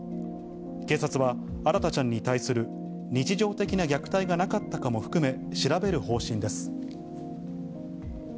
警察は、あらたちゃんに対する日常的な虐待がなかったかも含め、調べる方